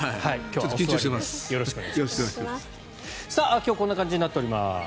今日こんな感じになっています。